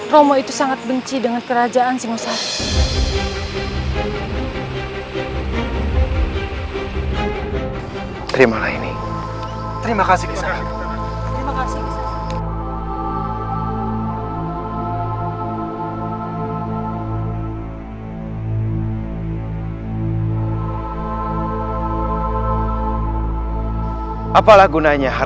romo itu sangat benci dengan kerajaan si musa